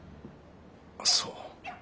そう。